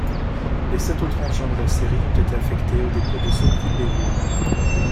Les sept autres engins de la série ont été affectés au dépôt de Sotteville-lès-Rouen.